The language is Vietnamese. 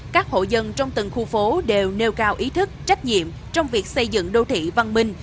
các hộ dân trong từng khu phố đều nêu cao ý thức trách nhiệm trong việc xây dựng đô thị văn minh